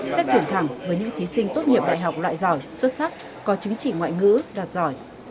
xét tuyển thẳng với những thí sinh tốt nghiệp đại học loại giỏi xuất sắc có chứng chỉ ngoại ngữ đạt giỏi